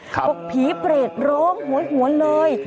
บอกผีเปรตโรงหวยหัวเลย